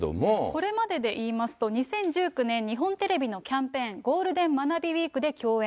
これまででいいますと、２０１９年、日本テレビのキャンペーン、ゴールデンまなびウィークで共演。